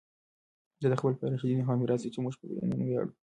دا د خلفای راشدینو هغه میراث دی چې موږ پرې نن ویاړو.